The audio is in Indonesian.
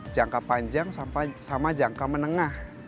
jangka panjang sama jangka menengah